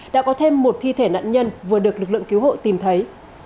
đã có thêm một thi thể nạn nhân vừa được lực lượng cứu hộ tìm thấy